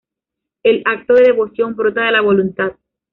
El acto de devoción brota de la voluntad.